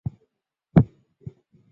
他在科学哲学领域颇具影响力。